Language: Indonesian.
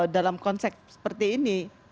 dalam konsep seperti ini